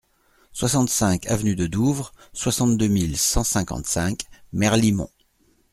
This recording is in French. soixante-cinq avenue de Douvres, soixante-deux mille cent cinquante-cinq Merlimont